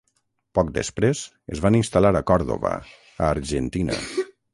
Poc després, es van instal·lar a Còrdova, a Argentina.